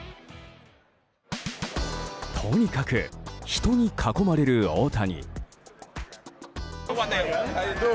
とにかく人に囲まれる大谷。